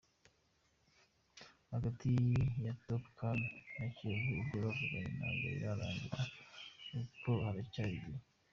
Hagati ya Topolcany na Kiyovu ibyo bavuganye ntabwo birarangira kuko haracyari igihe.